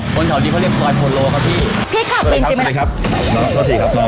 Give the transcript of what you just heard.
พี่แคบกินจิบไหม